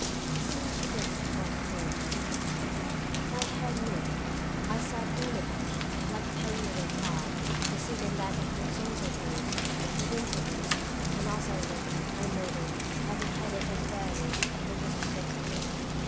It seemed too big for one poor man. My head nodded. I sat on a bench, black painted and hard, the seat and back of horizontal boards, with intervals; and as I looked, I nodded, heavy headed and weary: for it was too big for me.